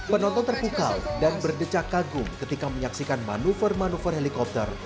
penonton terpukau dan berdecak kagum ketika menyaksikan manuver manuver helikopter